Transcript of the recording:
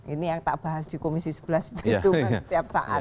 ini yang tak bahas di komisi sebelas itu kan setiap saat